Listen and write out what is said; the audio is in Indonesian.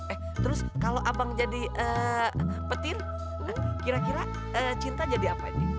eh terus kalau abang jadi petir kira kira cinta jadi apa ini